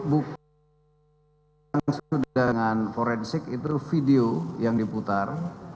bukti yang sudah dengan forensik itu video yang diputar